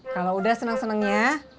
kalau udah seneng senengnya